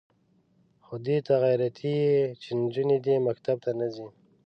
خو دې ته غیرتي یې چې نجونې دې مکتب ته نه ځي.